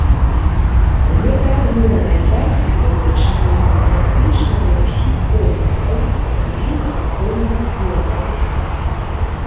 Гэта адмоўная практыка ў дачыненні практычна для ўсіх помнікаў і іх ахоўных зонаў.